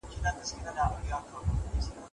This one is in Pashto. په خپل حال شکر وکړئ.